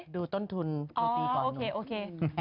ดูต้นทุนอ๋อโอเคโอเค